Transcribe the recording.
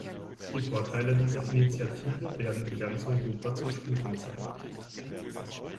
Die Vorteile dieser Initiative werden in ganz Europa zu spüren sein.